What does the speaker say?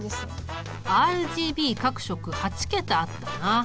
ＲＧＢ各色８桁あったな。